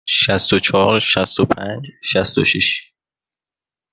شصت و چهار، شصت و پنج، شصت و شش.